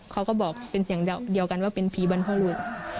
เขาก็บอกเป็นเสียงเดียวกันว่าเป็นผีบรรพบรุษ